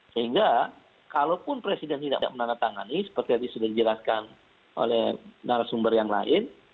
sehingga kalaupun presiden tidak menandatangani seperti tadi sudah dijelaskan oleh narasumber yang lain